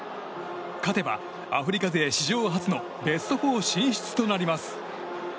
勝てばアフリカ勢史上初のベスト４進出となります。